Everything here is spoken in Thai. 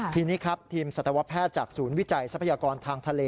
ทีนี้ครับทีมสัตวแพทย์จากศูนย์วิจัยทรัพยากรทางทะเล